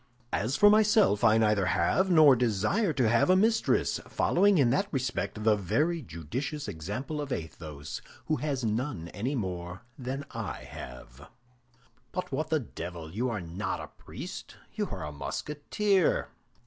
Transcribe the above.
As for myself, I neither have, nor desire to have, a mistress, following in that respect the very judicious example of Athos, who has none any more than I have." "But what the devil! You are not a priest, you are a Musketeer!"